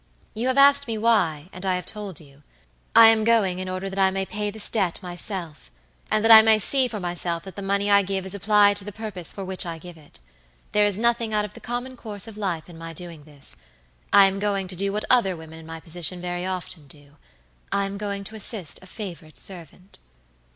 You have asked me why, and I have told you. I am going in order that I may pay this debt myself; and that I may see for myself that the money I give is applied to the purpose for which I give it. There is nothing out of the common course of life in my doing this. I am going to do what other women in my position very often do. I am going to assist a favorite servant."